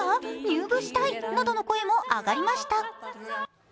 入部したい、などの声も上がりました。